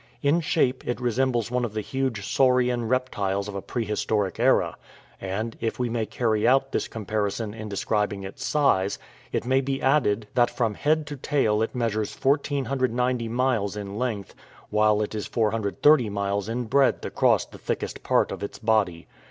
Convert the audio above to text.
In shape it resembles one of the huge Saurian reptiles of a prehistoric era ; and, if we may carry out this comparison in describing its size, it may be added that from head to tail it measures 1490 miles in length, while it is 430 miles in breadth across the thickest part of its body.